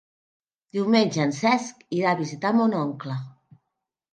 Diumenge en Cesc irà a visitar mon oncle.